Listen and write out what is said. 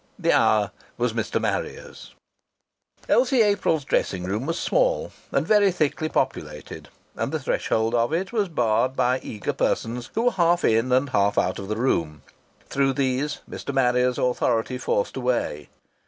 The hour was Mr. Marrier's. Elise April's dressing room was small and very thickly populated, and the threshold of it was barred by eager persons who were half in and half out of the room. Through these Mr. Marrier's authority forced a way.